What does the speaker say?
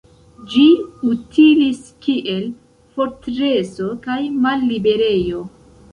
Ĝi utilis kiel fortreso kaj malliberejo.